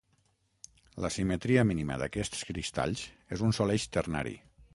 La simetria mínima d'aquests cristalls és un sol eix ternari.